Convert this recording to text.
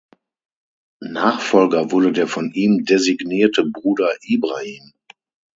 Nachfolger wurde der von ihm designierte Bruder Ibrahim.